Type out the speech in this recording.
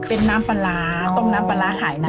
เป็นน้ำปลาร้าต้มน้ำปลาร้าขายน้ำ